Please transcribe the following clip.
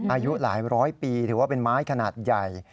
อายุหลายร้อยปีถือว่าเป็นไม้ขนาดใหญ่